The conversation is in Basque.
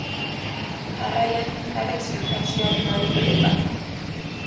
Jarraian Karel sintaxiaren adibide bat.